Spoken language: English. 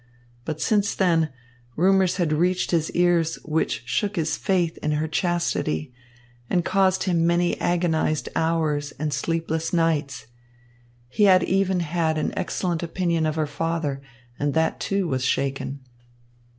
But since then, rumours had reached his ears which shook his faith in her chastity and caused him many agonised hours and sleepless nights. He had even had an excellent opinion of her father, and that, too, was shaken.